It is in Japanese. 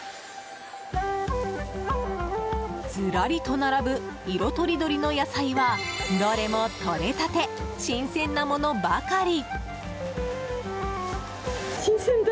ずらりと並ぶ色とりどりの野菜はどれも、とれたて新鮮なものばかり！